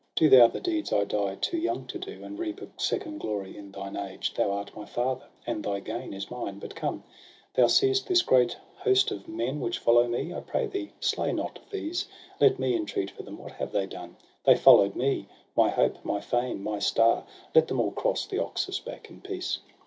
Do thou the deeds I die too young to do, And reap a second glory in thine age ; Thou art my father, and thy gain is mine. But come ! thou seest this great host of men Which follow me ; I pray thee, slay not these ! Let me intreat for them ; vrhat have they done ? They follow'd me, my hope, my fame, my star. Let them all cross the Oxus back in peace.